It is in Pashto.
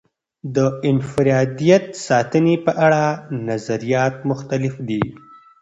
د انفرادیت ساتنې په اړه نظریات مختلف دي.